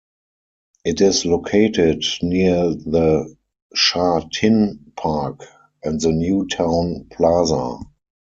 It is located near the Sha Tin Park and the New Town Plaza.